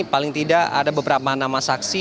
paling tidak ada beberapa nama saksi